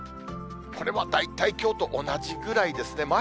これは大体きょうと同じぐらいですね。